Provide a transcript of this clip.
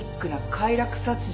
快楽殺人。